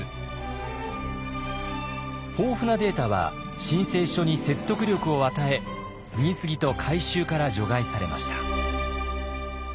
豊富なデータは申請書に説得力を与え次々と回収から除外されました。